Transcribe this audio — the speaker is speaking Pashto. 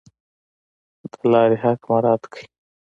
د لارې حق مراعات کړئ